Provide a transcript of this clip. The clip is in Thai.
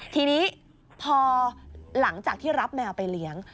ทีนี้พอหลังจากที่รับแมวไปเลี้ยง